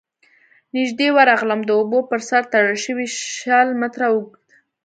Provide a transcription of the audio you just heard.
، نږدې ورغلم، د اوبو پر سر تړل شوی شل متره اوږد،